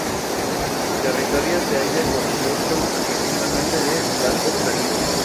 Su territorio se haya compuesto principalmente de vastas planicies.